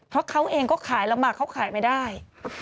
เพราะเขาเองก็ขายลำบากเขาขายไม่ได้